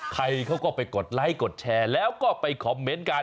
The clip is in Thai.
ใครเขาก็ไปกดไลค์กดแชร์แล้วก็ไปคอมเมนต์กัน